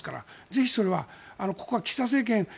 ぜひそれはここは岸田政権